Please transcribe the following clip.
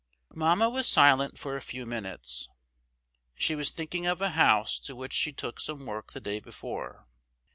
Mamma was silent for a few minutes. She was thinking of a house to which she took some work the day before.